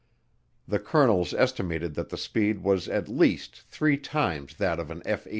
The colonels estimated that the speed was at least three times that of an F 86.